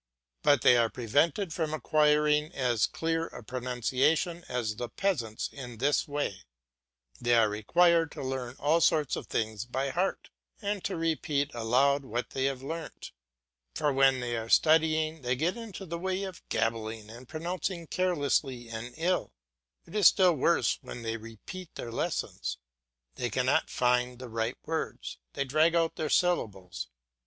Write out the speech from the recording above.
But they are prevented from acquiring as clear a pronunciation as the peasants in this way they are required to learn all sorts of things by heart, and to repeat aloud what they have learnt; for when they are studying they get into the way of gabbling and pronouncing carelessly and ill; it is still worse when they repeat their lessons; they cannot find the right words, they drag out their syllables.